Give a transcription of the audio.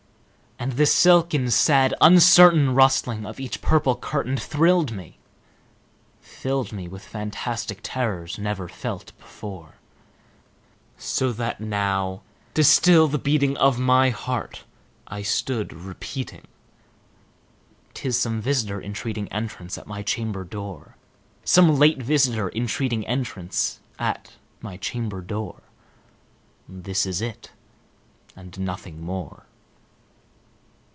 And the silken sad uncertain rustling of each purple curtain Thrilled me filled me with fantastic terrors never felt before; So that now, to still the beating of my heart, I stood repeating "'T is some visiter entreating entrance at my chamber door Some late visiter entreating entrance at my chamber door; This it is, and nothing more."